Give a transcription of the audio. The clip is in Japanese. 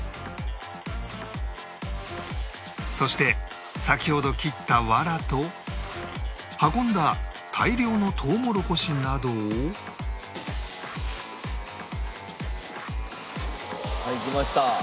そして先ほど切ったワラと運んだ大量のとうもろこしなどをはいきました。